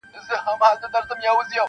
د چڼچڼيو او د زرکو پرځای-